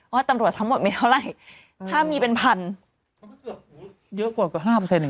ว่าตำรวจทำหมดไม่เท่าไรถ้ามีเป็นพันเยอะกว่ากว่ากว่าห้าเปอร์เซ็นต์